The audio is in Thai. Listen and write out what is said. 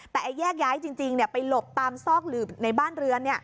แต่แยกย้ายจริงไปหลบตามซอกหลืบในบ้านเรือน